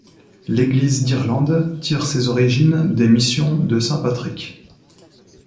L'Église d'Irlande tire ses origines des missions de saint Patrick.